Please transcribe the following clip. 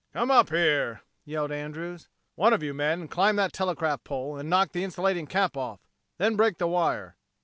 "Come up here," yelled Andrews. "One of you men climb that telegraph pole and knock the insulating cap off. Then break the wire."